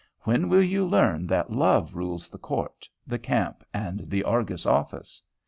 When will you learn that Love rules the court, the camp, and the Argus office."